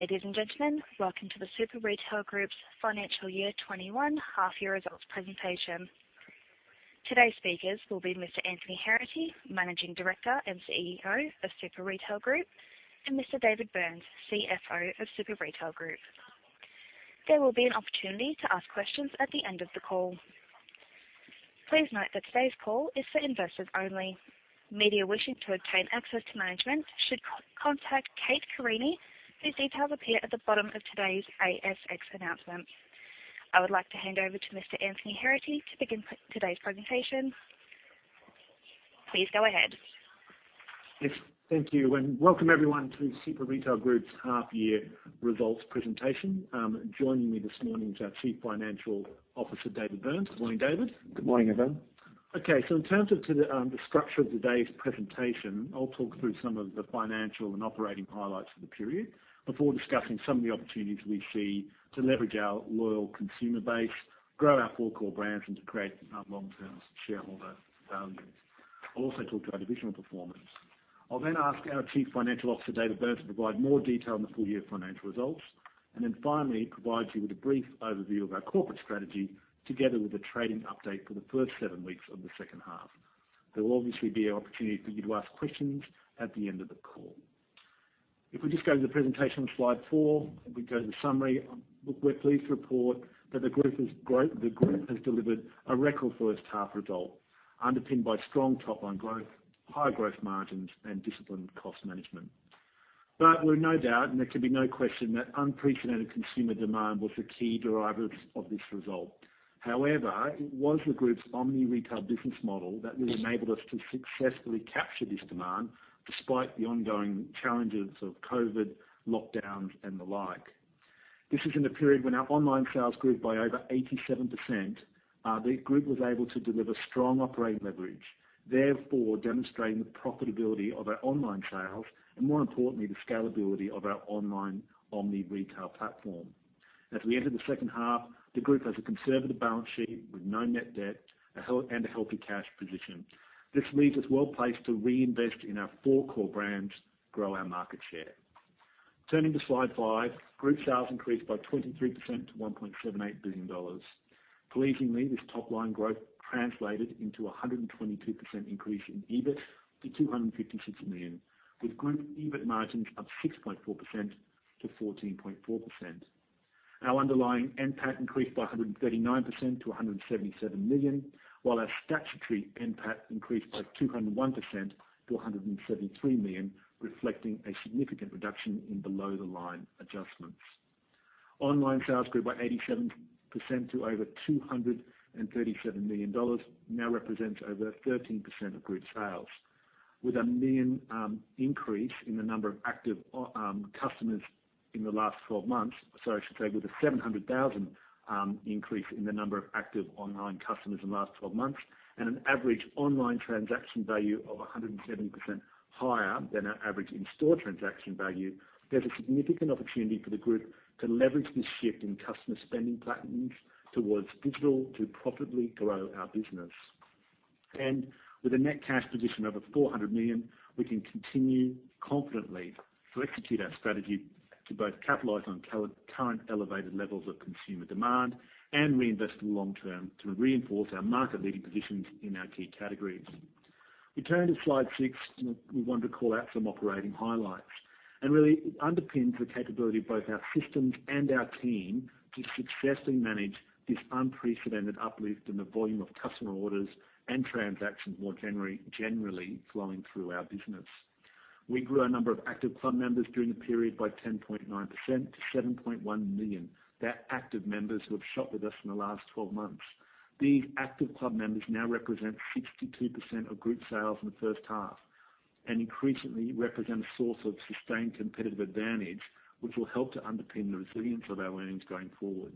Ladies and gentlemen, welcome to the Super Retail Group's Financial Year 2021 Half Year Results presentation. Today's speakers will be Mr. Anthony Heraghty, Managing Director and CEO of Super Retail Group, and Mr. David Burns, CFO of Super Retail Group. There will be an opportunity to ask questions at the end of the call. Please note that today's call is for investors only. Media wishing to obtain access to management should contact Kate Carine, whose details appear at the bottom of today's ASX announcement. I would like to hand over to Mr. Anthony Heraghty to begin today's presentation. Please go ahead. Yes, thank you, and welcome everyone to the Super Retail Group's half year results presentation. Joining me this morning is our Chief Financial Officer, David Burns. Good morning, David. Good morning, everyone. In terms of the structure of today's presentation, I'll talk through some of the financial and operating highlights for the period before discussing some of the opportunities we see to leverage our loyal consumer base, grow our four core brands, and to create long-term shareholder value. I'll also talk to our divisional performance. I'll ask our Chief Financial Officer, David Burns, to provide more detail on the full-year financial results, finally he provides you with a brief overview of our corporate strategy together with a trading update for the first seven weeks of the second half. There will obviously be an opportunity for you to ask questions at the end of the call. If we just go to the presentation on slide four, we go to the summary. Look, we're pleased to report that the group has delivered a record H1 result underpinned by strong top-line growth, high growth margins, and disciplined cost management. We're in no doubt, and there can be no question that unprecedented consumer demand was the key driver of this result. However, it was the group's omni-retail business model that really enabled us to successfully capture this demand despite the ongoing challenges of COVID lockdowns and the like. This is in a period when our online sales grew by over 87%. The group was able to deliver strong operating leverage, therefore demonstrating the profitability of our online sales and, more importantly, the scalability of our online omni-retail platform. As we enter H2, the group has a conservative balance sheet with no net debt and a healthy cash position. This leaves us well-placed to reinvest in our four core brands, grow our market share. Turning to slide five, group sales increased by 23% to 1.78 billion dollars. Pleasingly, this top-line growth translated into 122% increase in EBIT to 256 million, with group EBIT margins up 6.4% - 14.4%. Our underlying NPAT increased by 139% to 177 million, while our statutory NPAT increased by 201% to 173 million, reflecting a significant reduction in below-the-line adjustments. Online sales grew by 87% to over 237 million dollars, now represents over 13% of group sales. With a 1 million increase in the number of active customers in the last 12 months, or sorry, I should say, with a 700,000 increase in the number of active online customers in the last 12 months and an average online transaction value of 170% higher than our average in-store transaction value, there's a significant opportunity for the group to leverage this shift in customer spending patterns towards digital to profitably grow our business. With a net cash position of over 400 million, we can continue confidently to execute our strategy to both capitalize on current elevated levels of consumer demand and reinvest in long-term to reinforce our market-leading positions in our key categories. We turn to slide six. We want to call out some operating highlights, and really it underpins the capability of both our systems and our team to successfully manage this unprecedented uplift in the volume of customer orders and transactions more generally flowing through our business. We grew a number of active club members during the period by 10.9% to 7.1 million. They are active members who have shopped with us in the last 12 months. These active club members now represent 62% of group sales in the first half and increasingly represent a source of sustained competitive advantage, which will help to underpin the resilience of our earnings going forward.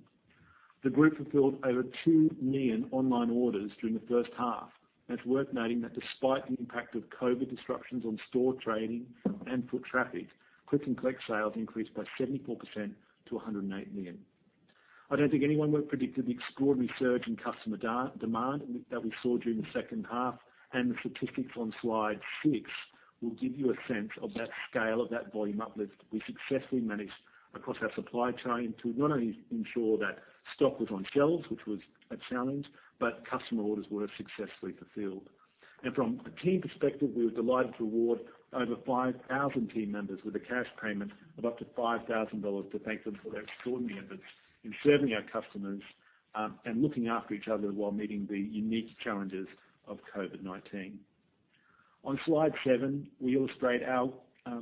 The group fulfilled over 2 million online orders during the first half, and it's worth noting that despite the impact of COVID disruptions on store trading and foot traffic, click and collect sales increased by 74% to 108 million. I don't think anyone would've predicted the extraordinary surge in customer demand that we saw during the H2, and the statistics on slide six will give you a sense of that scale, of that volume uplift we successfully managed across our supply chain to not only ensure that stock was on shelves, which was a challenge, but customer orders were successfully fulfilled. From a team perspective, we were delighted to reward over 5,000 team members with a cash payment of up to 5,000 dollars to thank them for their extraordinary efforts in serving our customers, and looking after each other while meeting the unique challenges of COVID-19. On slide seven, we illustrate our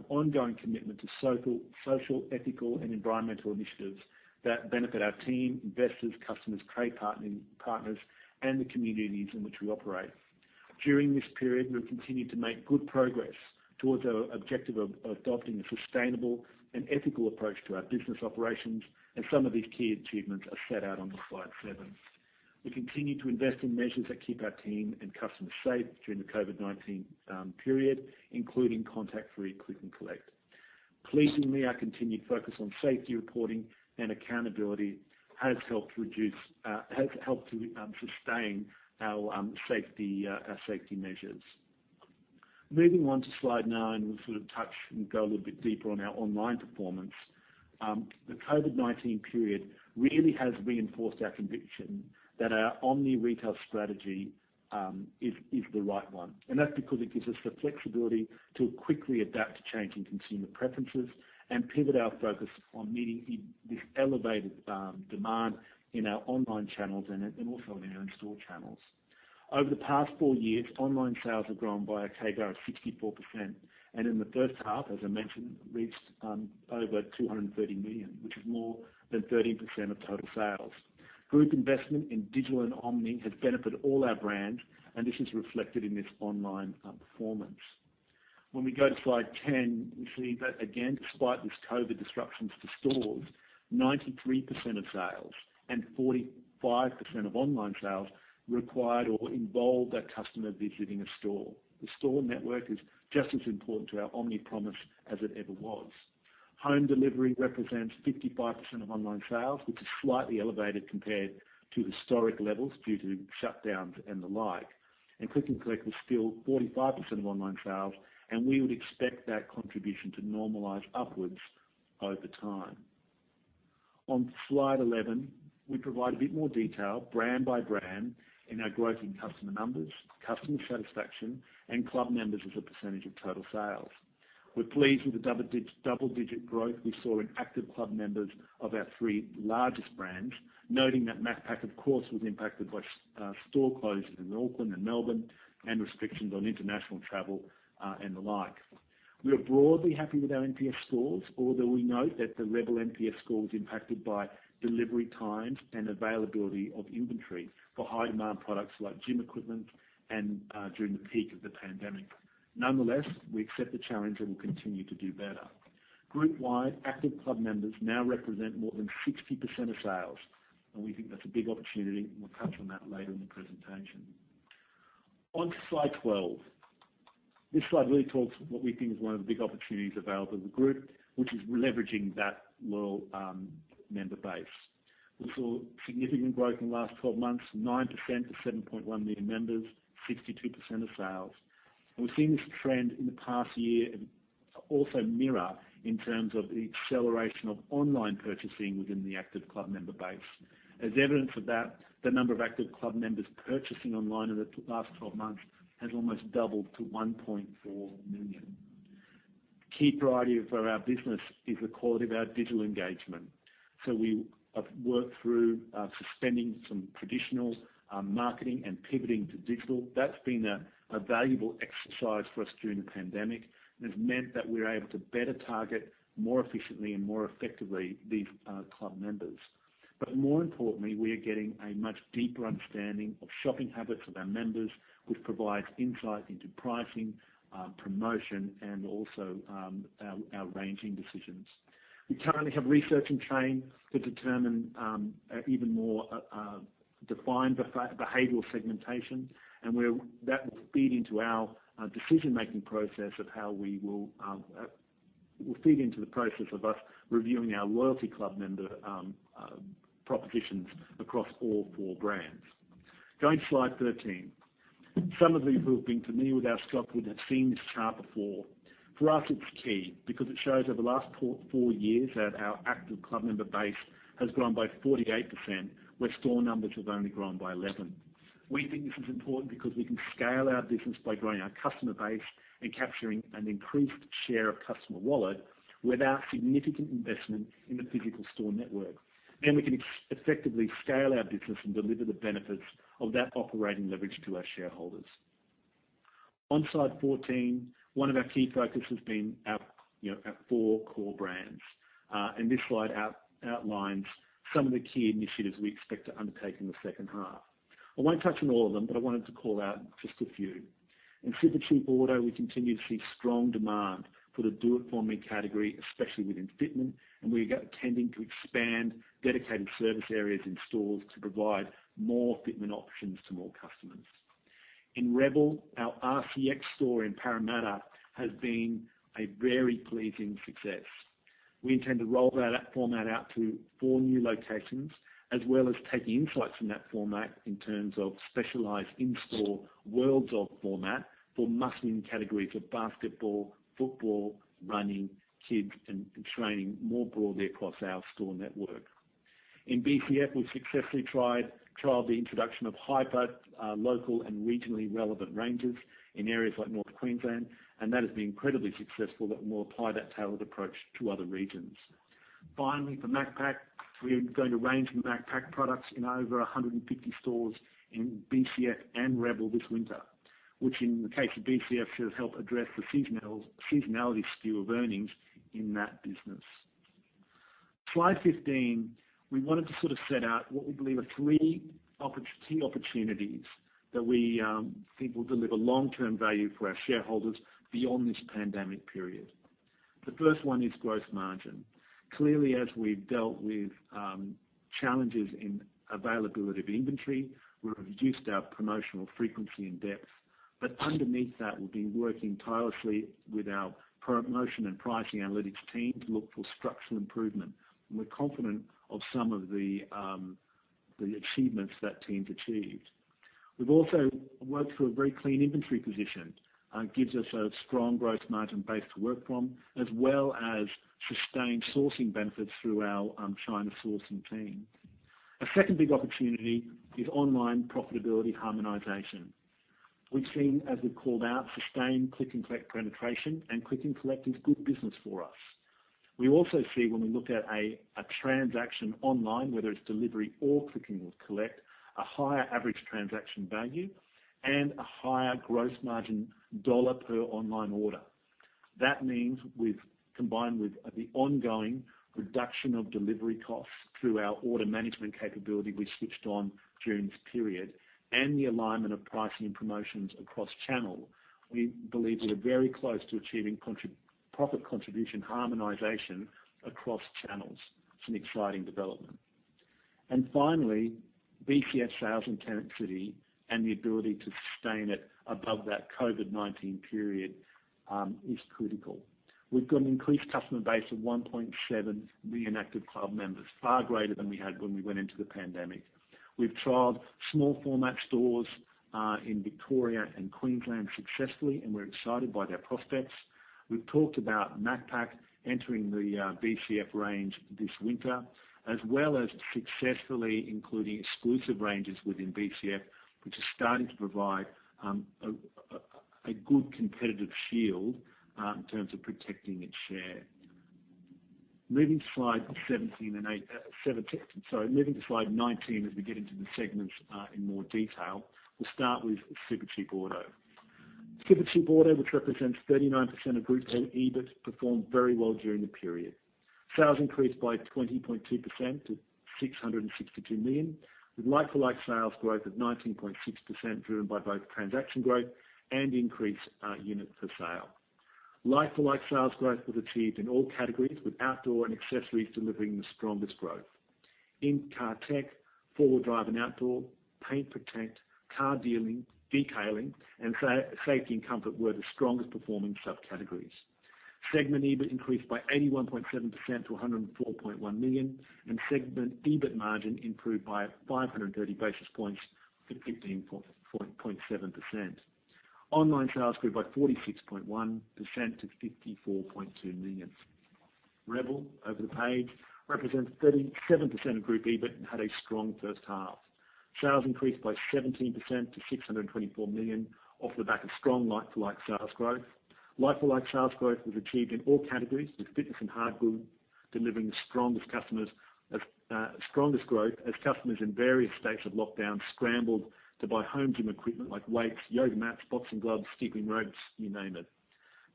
ongoing commitment to social, ethical, and environmental initiatives that benefit our team, investors, customers, trade partners, and the communities in which we operate. During this period, we've continued to make good progress towards our objective of adopting a sustainable and ethical approach to our business operations. Some of these key achievements are set out onto slide seven. We continue to invest in measures that keep our team and customers safe during the COVID-19 period, including contact-free click and collect. Pleasingly, our continued focus on safety reporting and accountability has helped to sustain our safety measures. Moving on to slide nine, we'll sort of touch and go a little bit deeper on our online performance. The COVID-19 period really has reinforced our conviction that our omni-retail strategy is the right one. That's because it gives us the flexibility to quickly adapt to changing consumer preferences and pivot our focus on meeting this elevated demand in our online channels and also in our in-store channels. Over the past four years, online sales have grown by a CAGR of 64%, and in the first half, as I mentioned, reached over 230 million, which is more than 13% of total sales. Group investment in digital and omni has benefited all our brands, this is reflected in this online performance. When we go to slide 10, we see that again, despite these COVID-19 disruptions to stores, 93% of sales and 45% of online sales required or involved that customer visiting a store. The store network is just as important to our omni promise as it ever was. Home delivery represents 55% of online sales, which is slightly elevated compared to historic levels due to shutdowns and the like. Click and collect was still 45% of online sales, and we would expect that contribution to normalize upwards over time. On slide 11, we provide a bit more detail brand by brand in our growth in customer numbers, customer satisfaction, and club members as a percentage of total sales. We're pleased with the double-digit growth we saw in active club members of our three largest brands, noting that Macpac, of course, was impacted by store closures in Auckland and Melbourne and restrictions on international travel and the like. We are broadly happy with our NPS scores, although we note that the Rebel NPS score was impacted by delivery times and availability of inventory for high-demand products like gym equipment and during the peak of the pandemic. Nonetheless, we accept the challenge and will continue to do better. Group-wide, active club members now represent more than 60% of sales, and we think that's a big opportunity, and we'll touch on that later in the presentation. On to slide 12. This slide really talks what we think is one of the big opportunities available to the group, which is leveraging that loyal member base. We saw significant growth in the last 12 months, 9% to 7.1 million members, 62% of sales. We've seen this trend in the past year also mirror in terms of the acceleration of online purchasing within the active club member base. As evidence of that, the number of active club members purchasing online in the last 12 months has almost doubled to 1.4 million. A key priority for our business is the quality of our digital engagement. We have worked through suspending some traditional marketing and pivoting to digital. That's been a valuable exercise for us during the pandemic and has meant that we're able to better target more efficiently and more effectively these club members. More importantly, we are getting a much deeper understanding of shopping habits of our members, which provides insight into pricing, promotion, and also our ranging decisions. We currently have research in train to determine even more defined behavioral segmentation, and that will feed into our decision-making process of how we will feed into the process of us reviewing our loyalty club member propositions across all four brands. Going to slide 13. Some of you who have been familiar with our stock would have seen this chart before. For us, it's key because it shows over the last four years that our active club member base has grown by 48%, where store numbers have only grown by 11%. We think this is important because we can scale our business by growing our customer base and capturing an increased share of customer wallet without significant investment in the physical store network. We can effectively scale our business and deliver the benefits of that operating leverage to our shareholders. On slide 14, one of our key focuses has been our four core brands. This slide outlines some of the key initiatives we expect to undertake in the second half. I won't touch on all of them, but I wanted to call out just a few. In Supercheap Auto, we continue to see strong demand for the do-it-for-me category, especially within fitment, and we are intending to expand dedicated service areas in stores to provide more fitment options to more customers. In Rebel, our RCX store in Parramatta has been a very pleasing success. We intend to roll that format out to four new locations, as well as take insights from that format in terms of specialized in-store worlds of format for must win categories of basketball, football, running, kids, and training more broadly across our store network. In BCF, we've successfully trialed the introduction of hyper local and regionally relevant ranges in areas like North Queensland, and that has been incredibly successful that we'll apply that tailored approach to other regions. Finally, for Macpac, we're going to range Macpac products in over 150 stores in BCF and Rebel this winter, which in the case of BCF should help address the seasonality skew of earnings in that business. Slide 15, we wanted to sort of set out what we believe are three key opportunities that we think will deliver long-term value for our shareholders beyond this pandemic period. The first one is gross margin. Clearly, as we've dealt with challenges in availability of inventory, we've reduced our promotional frequency and depth. Underneath that, we've been working tirelessly with our promotion and pricing analytics team to look for structural improvement. We're confident of some of the achievements that team's achieved. We've also worked through a very clean inventory position. Gives us a strong growth margin base to work from, as well as sustained sourcing benefits through our China sourcing team. A second big opportunity is online profitability harmonization. We've seen, as we've called out, sustained click and collect penetration, and click and collect is good business for us. We also see when we look at a transaction online, whether it's delivery or click and collect, a higher average transaction value and a higher gross margin dollar per online order. That means combined with the ongoing reduction of delivery costs through our order management capability we switched on during this period, and the alignment of pricing and promotions across channel. We believe we are very close to achieving profit contribution harmonization across channels. It's an exciting development. Finally, BCF sales and intenstiy and the ability to sustain it above that COVID-19 period is critical. We've got an increased customer base of 1.7 million active club members, far greater than we had when we went into the pandemic. We've trialed small format stores in Victoria and Queensland successfully, and we're excited by their prospects. We've talked about Macpac entering the BCF range this winter, as well as successfully including exclusive ranges within BCF, which is starting to provide a good competitive shield in terms of protecting its share. Moving to slide 19 as we get into the segments in more detail. We'll start with Supercheap Auto. Supercheap Auto, which represents 39% of group EBIT, performed very well during the period. Sales increased by 20.2% to 662 million, with like-for-like sales growth of 19.6% driven by both transaction growth and increased unit for sale. Like-for-like sales growth was achieved in all categories, with outdoor and accessories delivering the strongest growth. In-car tech, four-wheel drive and outdoor, paint protect, car detailing, and safety and comfort were the strongest performing sub-categories. Segment EBIT increased by 81.7% to 104.1 million, and segment EBIT margin improved by 530 basis points to 15.7%. Online sales grew by 46.1% to 54.2 million. Rebel, over the page, represents 37% of group EBIT and had a strong first half. Sales increased by 17% to 624 million, off the back of strong like-for-like sales growth. Like-for-like sales growth was achieved in all categories with fitness and hard good delivering the strongest growth as customers in various states of lockdown scrambled to buy home gym equipment like weights, yoga mats, boxing gloves, skipping ropes, you name it.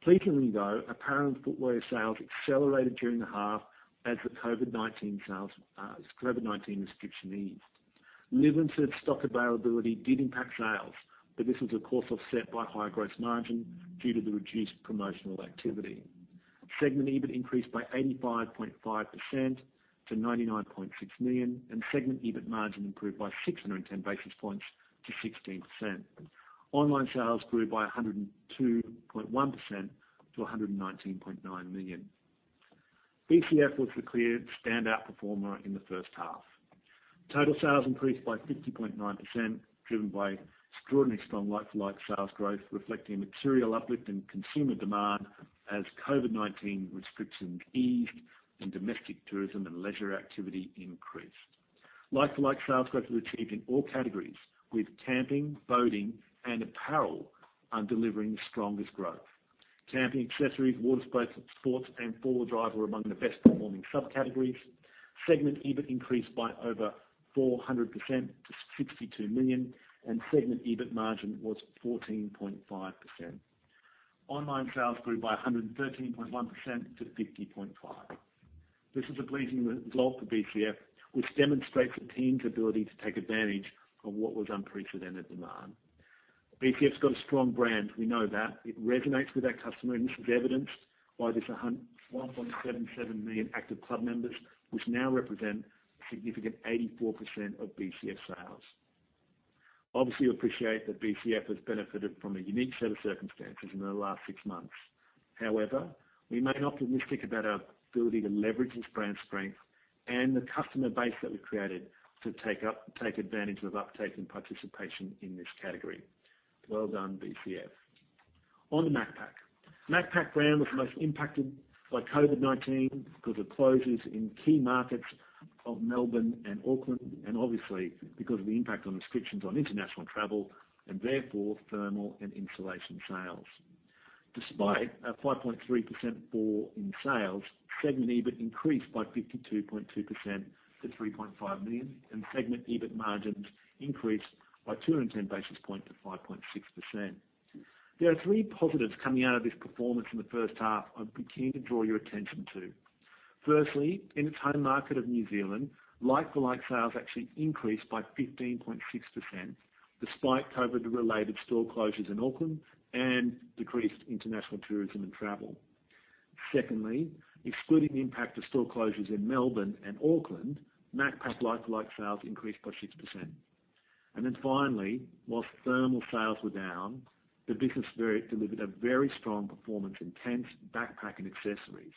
Pleasingly, though, apparel and footwear sales accelerated during the half as the COVID-19 restriction eased. Limited stock availability did impact sales, but this was, of course, offset by higher gross margin due to the reduced promotional activity. Segment EBIT increased by 85.5% to 99.6 million, and segment EBIT margin improved by 610 basis points to 16%. Online sales grew by 102.1% to 119.9 million. BCF was the clear standout performer in the first half. Total sales increased by 50.9%, driven by extraordinary strong like-for-like sales growth, reflecting material uplift in consumer demand as COVID-19 restrictions eased and domestic tourism and leisure activity increased. Like-for-like sales growth was achieved in all categories with camping, boating, and apparel delivering the strongest growth. Camping accessories, water sports, and four-wheel drive were among the best performing sub-categories. Segment EBIT increased by over 400% to 62 million, and segment EBIT margin was 14.5%. Online sales grew by 113.1% to 50.5. This is a pleasing result for BCF, which demonstrates the team's ability to take advantage of what was unprecedented demand. BCF's got a strong brand, we know that. It resonates with our customers. This is evidenced by this 1.77 million active club members, which now represent a significant 84% of BCF sales. Obviously, you appreciate that BCF has benefited from a unique set of circumstances in the last six months. We remain optimistic about our ability to leverage this brand strength and the customer base that we've created to take advantage of uptake and participation in this category. Well done, BCF. On to Macpac. Macpac brand was most impacted by COVID-19 because of closures in key markets of Melbourne and Auckland, and obviously because of the impact on restrictions on international travel and therefore thermal and insulation sales. Despite a 5.3% fall in sales, segment EBIT increased by 52.2% to 3.5 million, and segment EBIT margins increased by 210 basis points to 5.6%. There are three positives coming out of this performance in the first half I'm keen to draw your attention to. Firstly, in its home market of New Zealand, like-for-like sales actually increased by 15.6%, despite COVID-related store closures in Auckland and decreased international tourism and travel. Secondly, excluding the impact of store closures in Melbourne and Auckland, Macpac like-for-like sales increased by 6%. Finally, whilst thermal sales were down, the business delivered a very strong performance in tents, backpack, and accessories,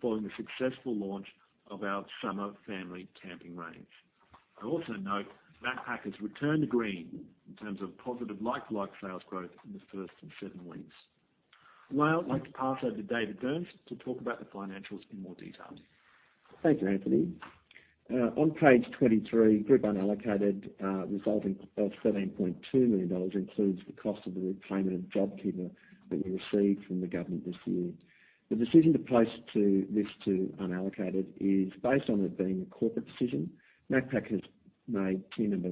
following the successful launch of our summer family camping range. I'd also note Macpac has returned to green in terms of positive like-for-like sales growth in the first seven weeks. I'd like to pass over to David Burns to talk about the financials in more detail. Thank you, Anthony. On page 23, group unallocated resulting of 17.2 million dollars includes the cost of the repayment of JobKeeper that we received from the government this year. The decision to post this to unallocated is based on it being a corporate decision. Macpac made team member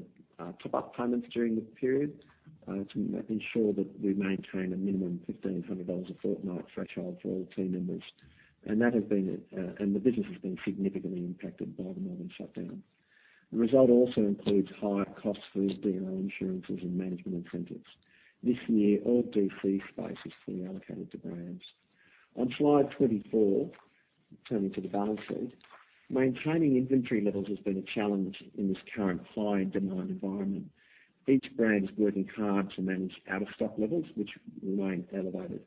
top-up payments during the period to ensure that we maintain a minimum 1,500 dollars a fortnight threshold for all team members. The business has been significantly impacted by the northern shutdown. The result also includes higher costs for D&O insurances and management incentives. This year, all DC space is fully allocated to brands. On slide 24, turning to the balance sheet. Maintaining inventory levels has been a challenge in this current high demand environment. Each brand is working hard to manage out-of-stock levels, which remain elevated.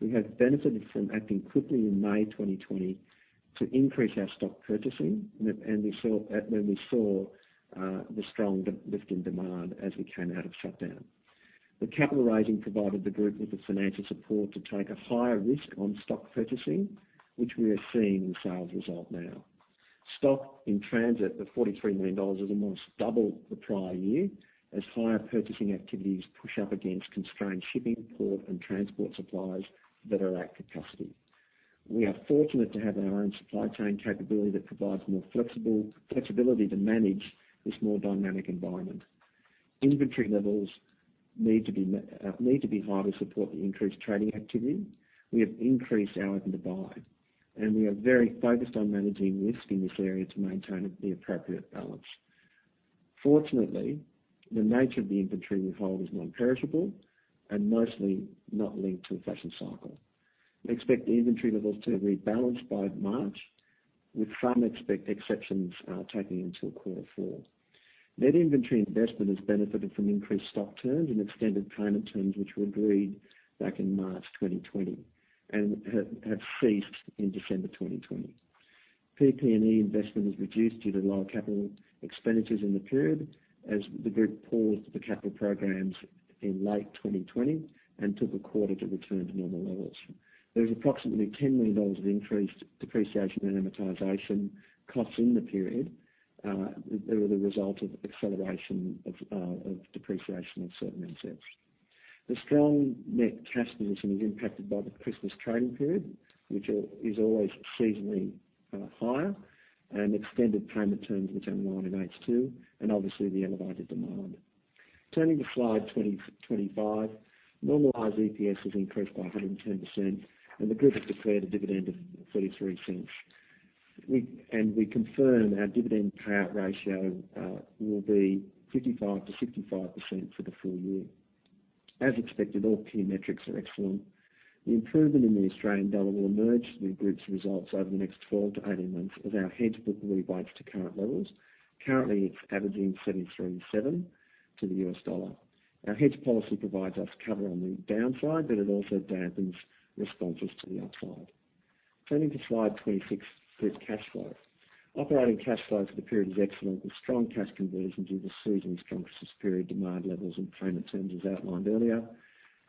We have benefited from acting quickly in May 2020 to increase our stock purchasing, when we saw the strong lift in demand as we came out of shutdown. The capital raising provided the group with the financial support to take a higher risk on stock purchasing, which we are seeing in sales result now. Stock in transit of 43 million dollars is almost double the prior year, as higher purchasing activities push up against constrained shipping port and transport supplies that are at capacity. We are fortunate to have our own supply chain capability that provides more flexibility to manage this more dynamic environment. Inventory levels need to be high to support the increased trading activity. We have increased our buy, and we are very focused on managing risk in this area to maintain the appropriate balance. Fortunately, the nature of the inventory we hold is non-perishable and mostly not linked to a fashion cycle. We expect the inventory levels to rebalance by March, with some exceptions taking into quarter four. Net inventory investment has benefited from increased stock terms and extended payment terms, which were agreed back in March 2020 and have ceased in December 2020. PP&E investment is reduced due to lower capital expenditures in the period, as the group paused the capital programs in late 2020 and took a quarter to return to normal levels. There is approximately 10 million dollars of increased depreciation and amortization costs in the period. They were the result of acceleration of depreciation of certain assets. The strong net cash position is impacted by the Christmas trading period, which is always seasonally higher, and extended payment terms which outlined in H2. Obviously the elevated demand. Turning to slide 25. Normalized EPS has increased by 110%. The group has declared a dividend of 0.33. We confirm our dividend payout ratio will be 55%-65% for the full year. As expected, all key metrics are excellent. The improvement in the Australian dollar will emerge the group's results over the next 12-18 months as our hedge book rebases to current levels. Currently, it's averaging 73.7 to the U.S. dollar. Our hedge policy provides us cover on the downside, but it also dampens responses to the upside. Turning to slide 26, group cash flow. Operating cash flow for the period is excellent, with strong cash conversion due to seasonal strength, superior demand levels and payment terms as outlined earlier.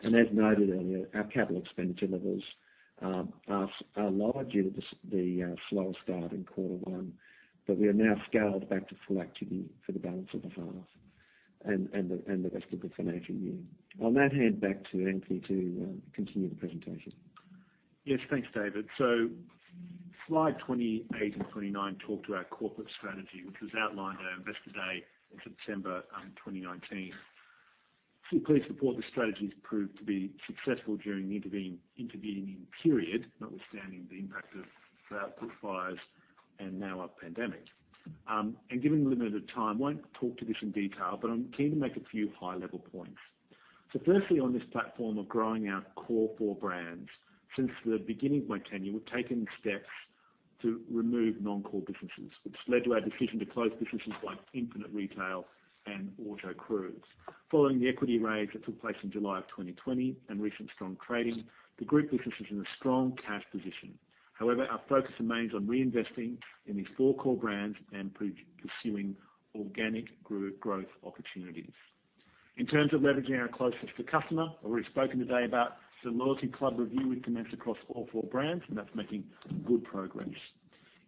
As noted earlier, our CapEx levels are lower due to the slower start in quarter one, but we are now scaled back to full activity for the balance of the half and the rest of the financial year. I'll now hand back to Anthony to continue the presentation. Yes, thanks, David. Slide 28 and 29 talk to our corporate strategy, which was outlined at our investor day in September 2019. I'm pleased to report the strategy's proved to be successful during the intervening period, notwithstanding the impact of the bushfires and now a pandemic. Given the limited time, I won't talk to this in detail, but I'm keen to make a few high-level points. Firstly, on this platform of growing our core four brands. Since the beginning of my tenure, we've taken steps to remove non-core businesses, which led to our decision to close businesses like Infinite Retail and Autocrew. Following the equity raise that took place in July of 2020 and recent strong trading, the group business is in a strong cash position. However, our focus remains on reinvesting in these four core brands and pursuing organic growth opportunities. In terms of leveraging our closeness to customer, I've already spoken today about the Loyalty Club Review we commenced across all four brands, that's making good progress.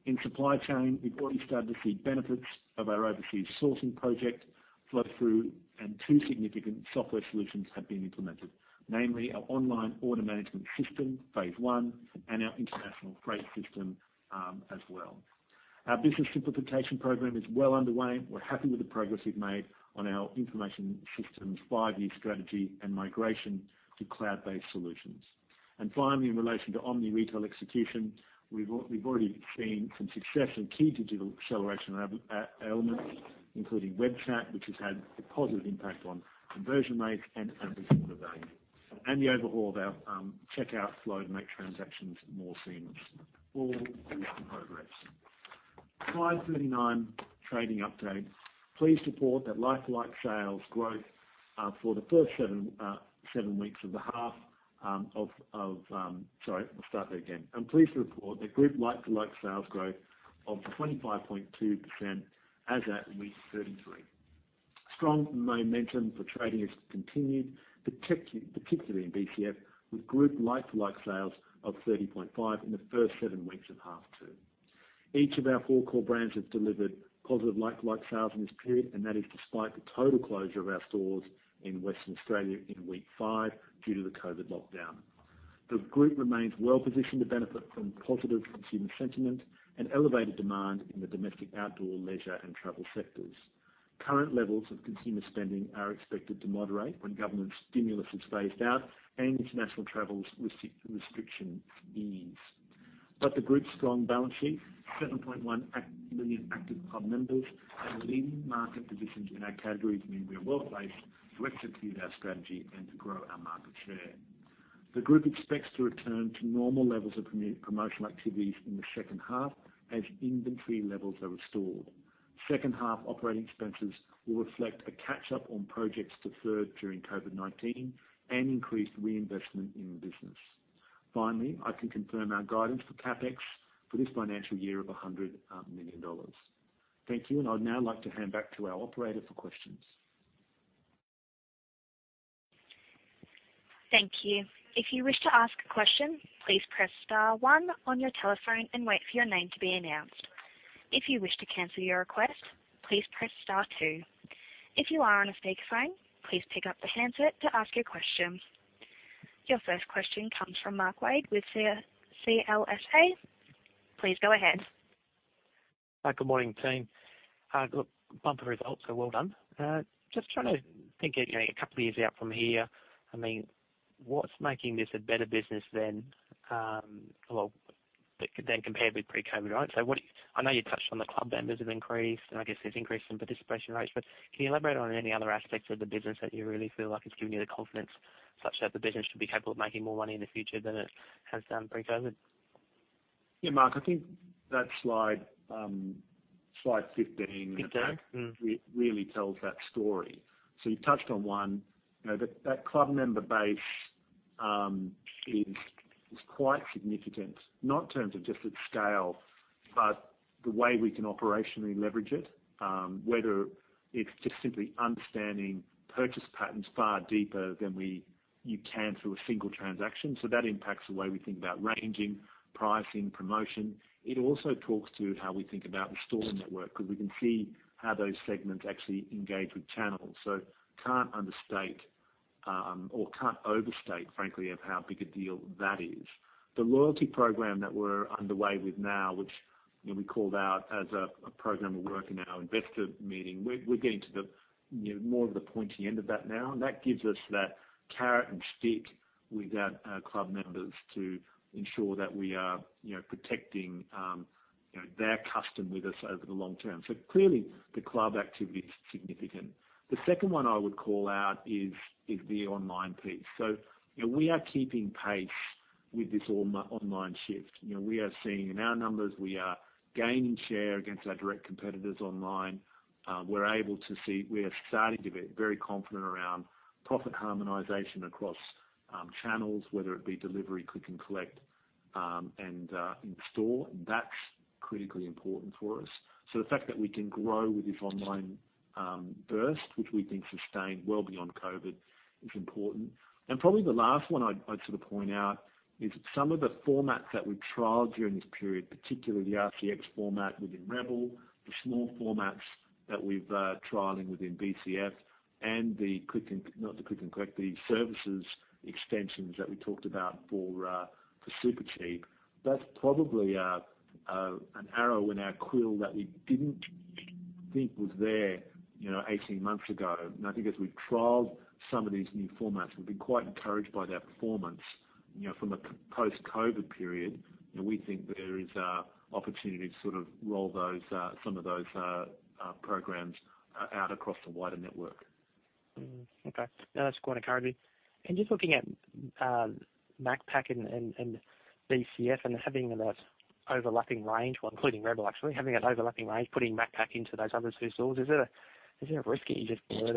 In supply chain, we've already started to see benefits of our Overseas Sourcing Project flow through, two significant software solutions have been implemented, namely our Online Order Management System, phase 1, and our International Freight System as well. Our Business Simplification Program is well underway. We're happy with the progress we've made on our Information Systems five-year Strategy and migration to cloud-based solutions. Finally, in relation to Omni-Retail Execution, we've already seen some success in key digital acceleration elements, including web chat, which has had a positive impact on conversion rate and average order value, and the overhaul of our checkout flow to make transactions more seamless. All recent progress. Slide 39, trading update. I'm pleased to report that group like-to-like sales growth of 25.2% as at week 33. Strong momentum for trading has continued, particularly in BCF, with group like-to-like sales of 30.5% in the first seven weeks of half two. Each of our four core brands has delivered positive like-to-like sales in this period, and that is despite the total closure of our stores in Western Australia in week five due to the COVID-19 lockdown. The group remains well-positioned to benefit from positive consumer sentiment and elevated demand in the domestic, outdoor, leisure, and travel sectors. Current levels of consumer spending are expected to moderate when government stimulus is phased out and international travel restrictions ease. The group's strong balance sheet, 7.1 million active club members, and leading market positions in our categories mean we are well-placed to execute our strategy and to grow our market share. The group expects to return to normal levels of promotional activities in the second half as inventory levels are restored. Second-half operating expenses will reflect a catch-up on projects deferred during COVID-19 and increased reinvestment in the business. Finally, I can confirm our guidance for CapEx for this financial year of 100 million dollars. Thank you. I'd now like to hand back to our operator for questions. Thank you. If you wish to ask a question, please press star one on your telephone and wait for your name to be announced. If you wish to cancel your request, please press star two. If you are on a speakerphone, please pick up the handset to ask your question. Your first question comes from Mark Wade with CLSA. Please go ahead. Good morning, team. Look, bumper results, so well done. Just trying to think a couple years out from here. What's making this a better business than compared with pre-COVID? I know you touched on the club members have increased, and I guess there's increase in participation rates. Can you elaborate on any other aspects of the business that you really feel like it's giving you the confidence such that the business should be capable of making more money in the future than it has done pre-COVID? Yeah, Mark. I think that slide 15. Mm-hmm. Really tells that story. You touched on one. That club member base is quite significant, not in terms of just its scale, but the way we can operationally leverage it, whether it's just simply understanding purchase patterns far deeper than you can through a single transaction. That impacts the way we think about ranging, pricing, promotion. It also talks to how we think about the store network, because we can see how those segments actually engage with channels. Can't understate, or can't overstate, frankly, of how big a deal that is. The loyalty program that we're underway with now, which we called out as a program of work in our investor meeting, we're getting to more of the pointy end of that now. That gives us that carrot-and-stick with our club members to ensure that we are protecting their custom with us over the long term. Clearly the club activity is significant. The second one I would call out is the online piece. We are keeping pace with this online shift. We are seeing in our numbers, we are gaining share against our direct competitors online. We're able to see, we are starting to be very confident around profit harmonization across channels, whether it be delivery, click and collect, and in store. That's critically important for us. The fact that we can grow with this online burst, which we think sustained well beyond COVID, is important. Probably the last one I'd point out is some of the formats that we've trialed during this period, particularly the RCX format within Rebel, the small formats that we're trialing within BCF, and the services extensions that we talked about for Supercheap. That's probably an arrow in our quill that we didn't think was there 18 months ago. I think as we've trialed some of these new formats, we've been quite encouraged by their performance from a post-COVID-19 period. We think there is opportunity to roll some of those programs out across the wider network. Mm-hmm. Okay. No, that's quite encouraging. Just looking at Macpac and BCF and having an overlapping range, well, including Rebel actually, having that overlapping range, putting Macpac into those other two stores, is it a risk you just borrow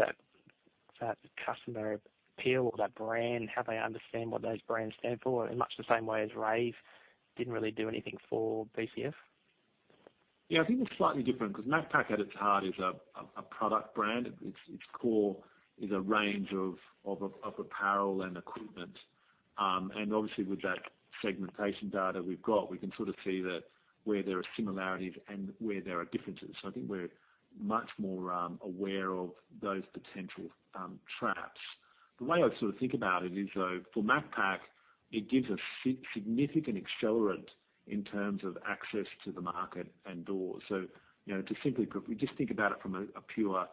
that customer appeal or that brand? How they understand what those brands stand for? In much the same way as Rays didn't really do anything for BCF. Yeah, I think it's slightly different because Macpac at its heart is a product brand. Its core is a range of apparel and equipment. Obviously with that segmentation data we've got, we can sort of see where there are similarities and where there are differences. I think we're much more aware of those potential traps. The way I think about it is though, for Macpac, it gives us significant accelerant in terms of access to the market and doors. To simply put, we just think about it from a pure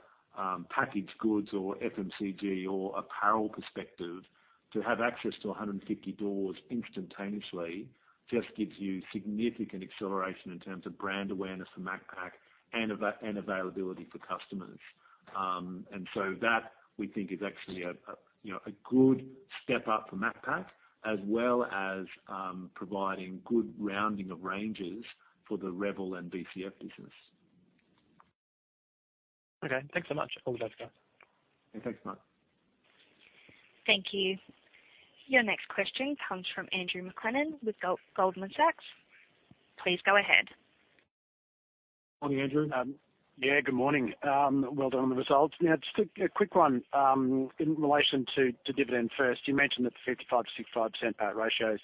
packaged goods or FMCG or apparel perspective. To have access to 150 doors instantaneously just gives you significant acceleration in terms of brand awareness for Macpac and availability for customers. That, we think is actually a good step up for Macpac, as well as providing good rounding of ranges for the Rebel and BCF business. Okay, thanks so much. All the best, guys. Thanks, Mark. Thank you. Your next question comes from Andrew McLennan with Goldman Sachs. Please go ahead. Morning, Andrew. Yeah, good morning. Well done on the results. Just a quick one, in relation to dividend first, you mentioned that the 55%-65% payout ratios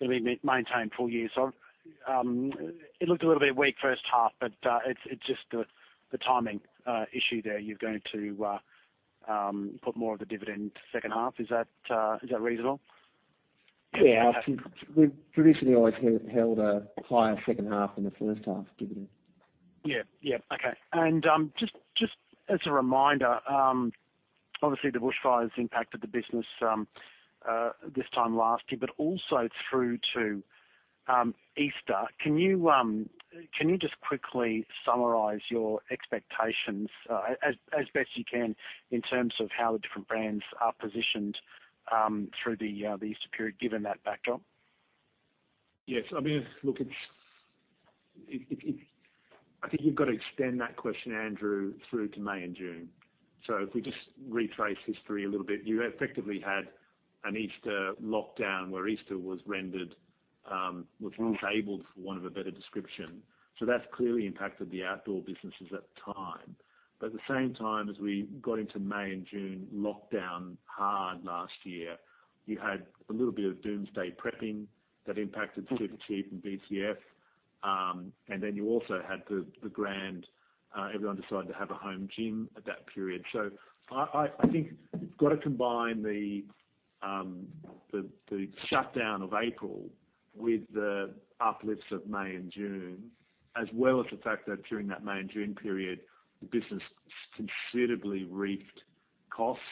will be maintained full year. It looked a little bit weak first half, but it's just the timing issue there. You're going to put more of the dividend to H2. Is that reasonable? Yeah. We've traditionally always held a higher H2 than H1 dividend. Yeah. Okay. Just as a reminder, obviously the bushfires impacted the business this time last year, but also through to Easter. Can you just quickly summarize your expectations, as best you can, in terms of how the different brands are positioned through the Easter period, given that backdrop? Yes. I think you've got to extend that question, Andrew, through to May and June. If we just retrace history a little bit, you effectively had an Easter lockdown where Easter was rendered, was disabled, for want of a better description. At the same time, as we got into May and June, lockdown hard last year, you had a little bit of doomsday prepping that impacted Supercheap and BCF. You also had the grand everyone decided to have a home gym at that period. I think you've got to combine the shutdown of April with the uplifts of May and June, as well as the fact that during that May and June period, the business considerably reaped costs,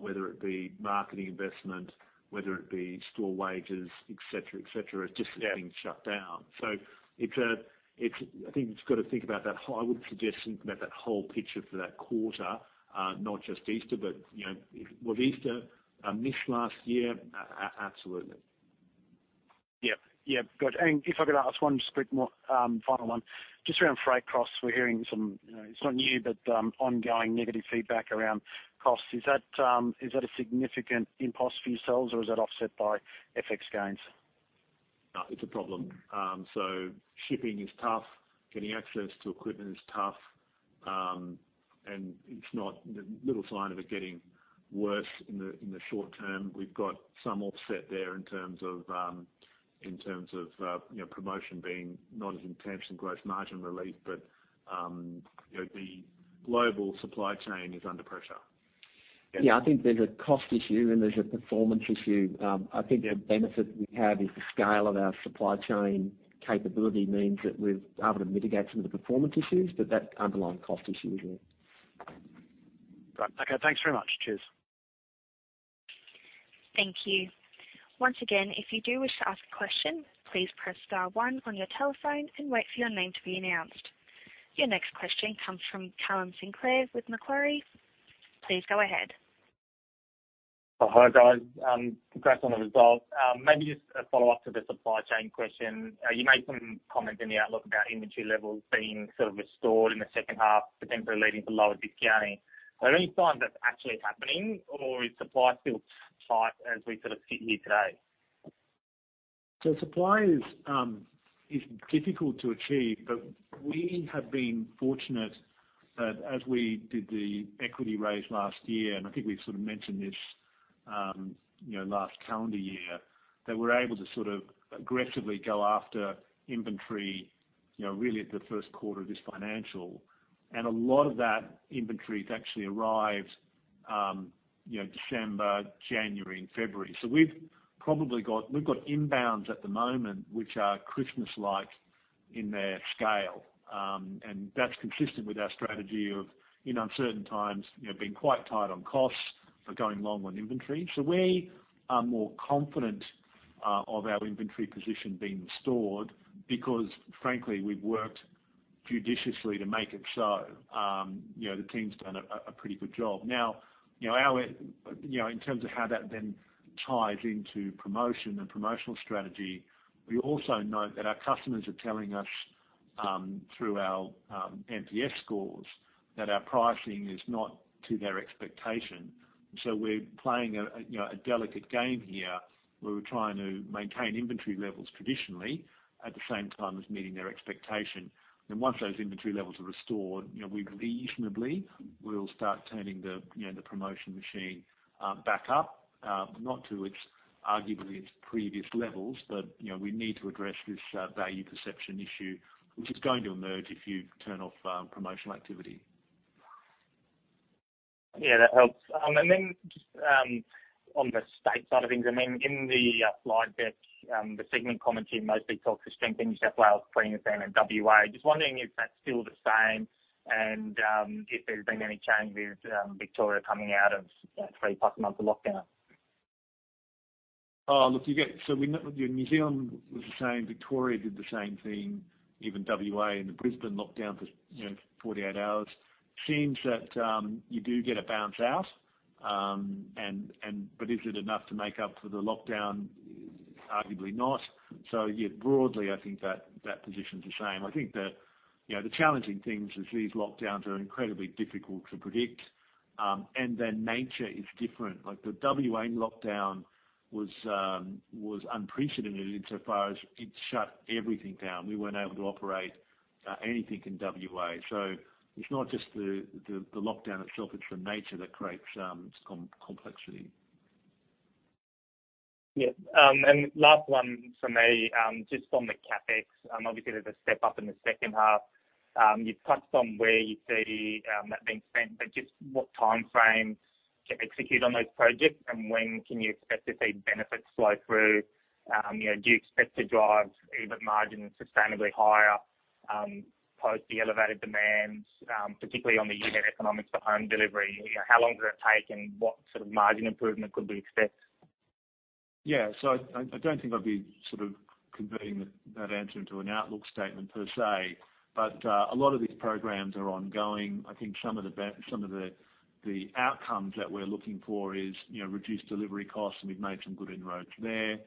whether it be marketing investment, whether it be store wages, et cetera. Just everything shut down. I would suggest thinking about that whole picture for that quarter, not just Easter. Was Easter missed last year? Absolutely. Yeah. Got you. If I could ask one quick, final one. Just around freight costs, we're hearing some, it's not new, but ongoing negative feedback around costs. Is that a significant impulse for yourselves or is that offset by FX gains? No, it's a problem. Shipping is tough, getting access to equipment is tough. Little sign of it getting worse in the short term. We've got some offset there in terms of promotion being not as intense and gross margin relief, but the global supply chain is under pressure. Yeah, I think there's a cost issue and there's a performance issue. I think the benefit we have is the scale of our supply chain capability means that we're able to mitigate some of the performance issues, but that underlying cost issue is there. Great. Okay, thanks very much. Cheers. Thank you. Once again, if you do wish to ask a question, please press star one on your telephone and wait for your name to be announced. Your next question comes from Callum Sinclair with Macquarie. Please go ahead. Hi, guys. Congrats on the results. Just a follow-up to the supply chain question. You made some comments in the outlook about inventory levels being sort of restored in the second half, potentially leading to lower discounting. Is there any sign that's actually happening or is supply still tight as we sort of sit here today? Supply is difficult to achieve, but we have been fortunate that as we did the equity raise last year, and I think we've sort of mentioned this last calendar year, that we're able to sort of aggressively go after inventory really at the first quarter of this financial. A lot of that inventory actually arrived December, January and February. We've got inbounds at the moment, which are Christmas-like in their scale. That's consistent with our strategy of, in uncertain times, being quite tight on costs but going long on inventory. We are more confident of our inventory position being restored because frankly, we've worked judiciously to make it so. The team's done a pretty good job. In terms of how that then ties into promotion and promotional strategy, we also note that our customers are telling us through our NPS scores that our pricing is not to their expectation. We're playing a delicate game here where we're trying to maintain inventory levels traditionally, at the same time as meeting their expectation. Once those inventory levels are restored, we reasonably will start turning the promotion machine back up. Not to arguably its previous levels, but we need to address this value perception issue, which is going to emerge if you turn off promotional activity. Yeah, that helps. Just on the state side of things, in the slide deck, the segment commentary mostly talks to strength in New South Wales, Queensland and WA. Just wondering if that's still the same and if there's been any change with Victoria coming out of three plus months of lockdown. Look, New Zealand was the same, Victoria did the same thing. Even W.A. and the Brisbane lockdown for 48 hours. Seems that you do get a bounce out. Is it enough to make up for the lockdown? Arguably not. Yeah, broadly, I think that position's the same. I think that the challenging things is these lockdowns are incredibly difficult to predict, and their nature is different. Like the W.A. lockdown was unprecedented insofar as it shut everything down. We weren't able to operate anything in W.A. It's not just the lockdown itself, it's the nature that creates complexity. Yeah. Last one from me, just on the CapEx. Obviously, there is a step-up in the second half. You have touched on where you see that being spent, but just what timeframe to execute on those projects and when can you expect to see benefits flow through? Do you expect to drive EBIT margins sustainably higher post the elevated demands, particularly on the unit economics for home delivery? How long does it take and what sort of margin improvement could we expect? Yeah. I don't think I'd be converting that answer into an outlook statement per se. A lot of these programs are ongoing. I think some of the outcomes that we're looking for is reduced delivery costs, and we've made some good inroads there.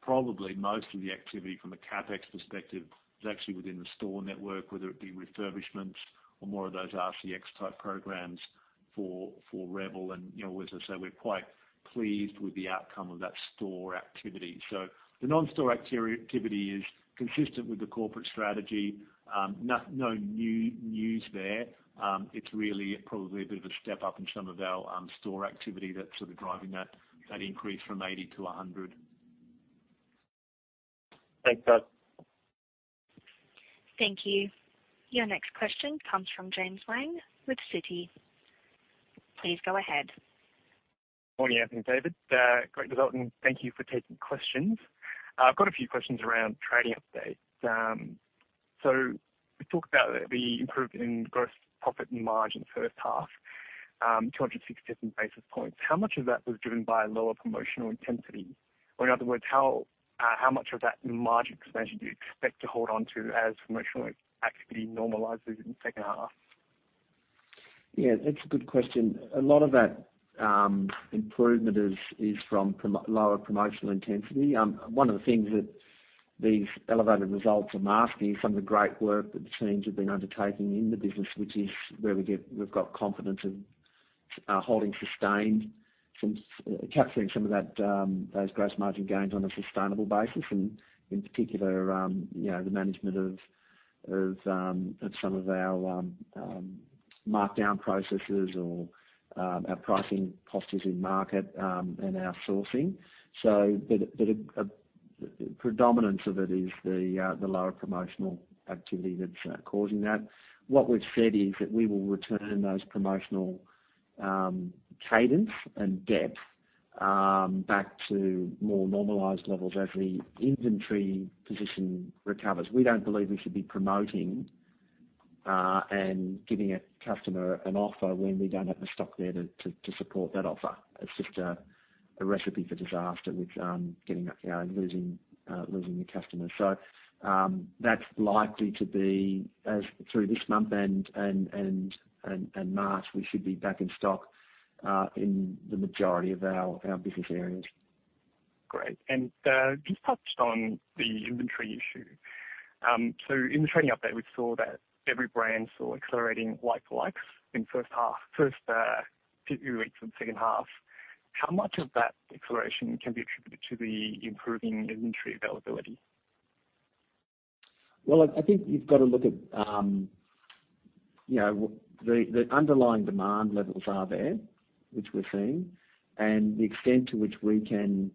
Probably most of the activity from a CapEx perspective is actually within the store network, whether it be refurbishments or more of those RCX type programs for Rebel. As I say, we're quite pleased with the outcome of that store activity. The non-store activity is consistent with the corporate strategy. No new news there. It's really probably a bit of a step-up in some of our store activity that's driving that increase from 80 to 100. Thanks, guys. Thank you. Your next question comes from James Wang with Citi. Please go ahead. Morning, Anthony and David. Great result, and thank you for taking questions. I've got a few questions around trading updates. We talked about the improvement in gross profit margin H1, 260 basis points. How much of that was driven by lower promotional intensity? In other words, how much of that margin expansion do you expect to hold on to as promotional activity normalizes in the second half? Yeah, that's a good question. A lot of that improvement is from lower promotional intensity. One of the things that these elevated results are masking is some of the great work that the teams have been undertaking in the business, which is where we've got confidence in holding sustained, capturing some of those gross margin gains on a sustainable basis. In particular, the management of some of our markdown processes or our pricing postures in market and our sourcing. A predominance of it is the lower promotional activity that's causing that. What we've said is that we will return those promotional cadence and depth back to more normalized levels as the inventory position recovers. We don't believe we should be promoting and giving a customer an offer when we don't have the stock there to support that offer. It's just a recipe for disaster with losing the customer. That's likely to be through this month and March, we should be back in stock in the majority of our business areas. Great. Just touched on the inventory issue. In the trading update, we saw that every brand saw accelerating like-for-likes in H1, first few weeks of H2. How much of that acceleration can be attributed to the improving inventory availability? I think you've got to look at the underlying demand levels are there, which we're seeing, and the extent to which we can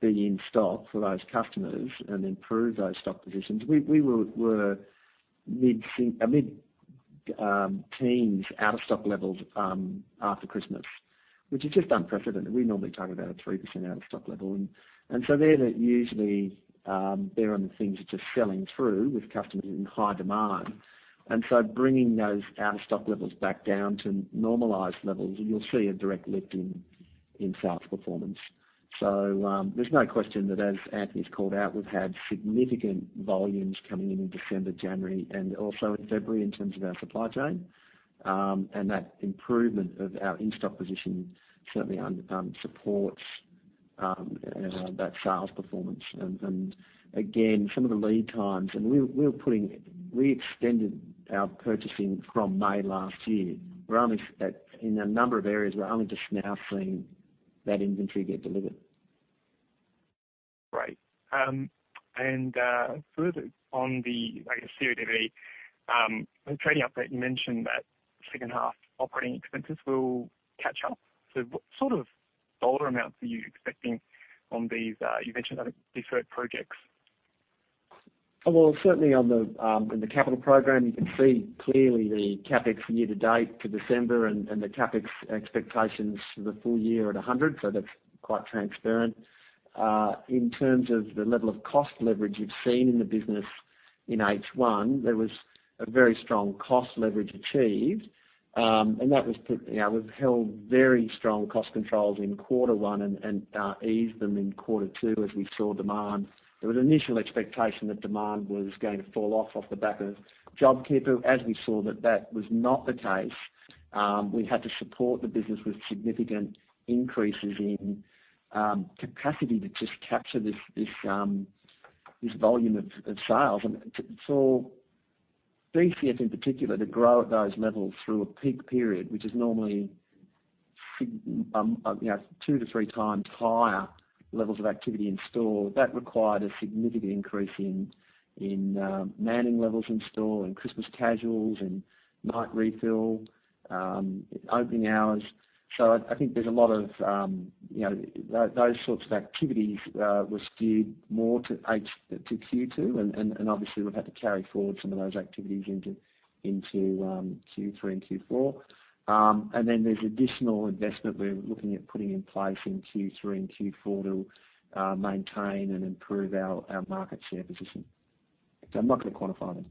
be in stock for those customers and improve those stock positions. We were mid-teens out of stock levels after Christmas, which is just unprecedented. We normally talk about a 3% out of stock level. There, they're usually bearing the things which are selling through with customers in high demand. Bringing those out of stock levels back down to normalized levels, you'll see a direct lift in sales performance. There's no question that as Anthony's called out, we've had significant volumes coming in in December, January, and also in February in terms of our supply chain. That improvement of our in-stock position certainly supports that sales performance. Again, some of the lead times, and we extended our purchasing from May last year. In a number of areas, we're only just now seeing that inventory get delivered. Great. Further on the CODB, in the trading update, you mentioned that H2 operating expenses will catch up. What sort of dollar amounts are you expecting on these, you mentioned, deferred projects? Well, certainly in the capital program, you can see clearly the CapEx year to date to December and the CapEx expectations for the full year at 100. That's quite transparent. In terms of the level of cost leverage you've seen in the business in H1, there was a very strong cost leverage achieved. We've held very strong cost controls in quarter one and eased them in quarter two as we saw demand. There was initial expectation that demand was going to fall off the back of JobKeeper. We saw that that was not the case, we had to support the business with significant increases in capacity to just capture this volume of sales. For BCF, in particular, to grow at those levels through a peak period, which is normally two to three times higher levels of activity in store, that required a significant increase in manning levels in store and Christmas casuals and night refill, opening hours. I think there's a lot of those sorts of activities were skewed more to Q2, and obviously we've had to carry forward some of those activities into Q3 and Q4. Then there's additional investment we're looking at putting in place in Q3 and Q4 to maintain and improve our market share position. I'm not going to quantify them.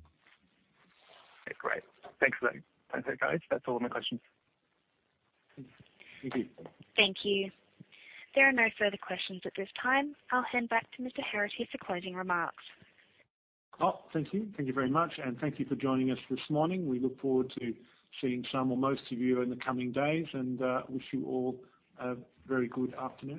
Okay, great. Thanks for that. That's it, guys. That's all my questions. Thank you. Thank you. There are no further questions at this time. I'll hand back to Mr. Heraghty for closing remarks. Oh, thank you. Thank you very much. Thank you for joining us this morning. We look forward to seeing some or most of you in the coming days, and wish you all a very good afternoon.